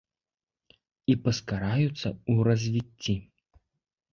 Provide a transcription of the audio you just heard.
І паскараюцца ў развіцці.